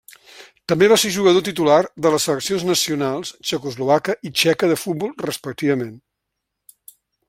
També va ser jugador titular de les seleccions nacionals txecoslovaca i txeca de futbol, respectivament.